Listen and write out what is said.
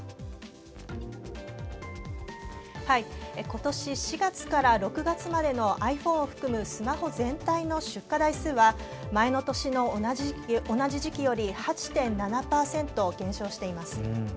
今年４月から６月までのｉＰｈｏｎｅを含むスマホ全体の出荷台数は前の年の同じ時期より８．７％減少しています。